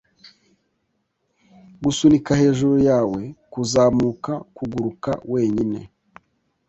gusunika hejuru yawe, kuzamuka, kuguruka wenyine